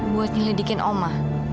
buat nyelidikin oma